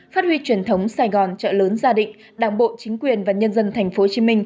phát huy truyền thống sài gòn trợ lớn gia đình đảng bộ chính quyền và nhân dân tp hcm